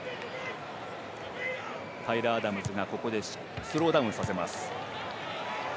タイラー・アダムズがスローダウンさせます。